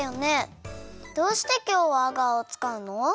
どうしてきょうはアガーをつかうの？